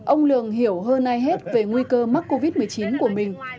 ông lường hiểu hơn ai hết về nguy cơ mắc covid một mươi chín của mình